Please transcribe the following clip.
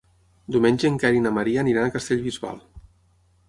Diumenge en Quer i na Maria aniran a Castellbisbal.